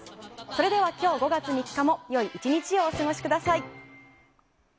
それでは今日、５月３日も良い１日をお過ごしください。